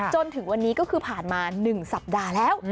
จนถึงวันนี้ก็คือผ่านมา๑สัปดาห์แล้ว